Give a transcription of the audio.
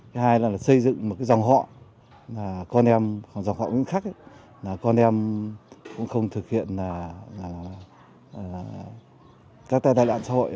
cái hai là xây dựng một dòng họ dòng họ cũng khác con em cũng không thực hiện các tai đại đoạn xã hội